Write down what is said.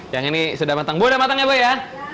yang ini sudah matang bu udah matang ya bu ya